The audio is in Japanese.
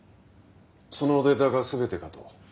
そのデータが全てかと。